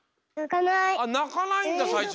あっなかないんださいしょ。